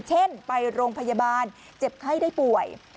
เช่นไปโรงพยาบาลเจ็บไข้ได้ป่วย